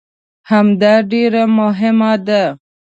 همدا ډېره مهمه ده.